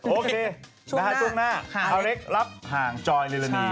โอเคช่วงหน้าอเล็กรับห่างจอยนิรณี